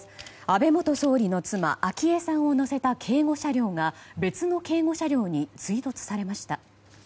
安倍元総理の妻・昭恵さんを乗せた警護車両が別の警護車両に追突されました。